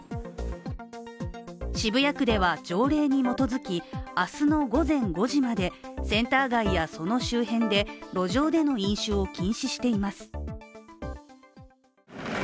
渋谷区では条例に基づき明日の午前５時までセンター街やその周辺で路上での飲酒を禁止しています。